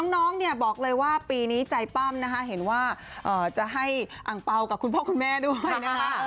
น้องเนี่ยบอกเลยว่าปีนี้ใจปั้มนะคะเห็นว่าจะให้อังเปล่ากับคุณพ่อคุณแม่ด้วยนะคะ